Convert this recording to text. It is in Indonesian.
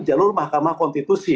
jalur mahkamah konstitusi